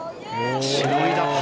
しのいだ。